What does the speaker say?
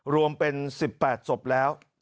รวมเป็น๑๘ศพแล้ว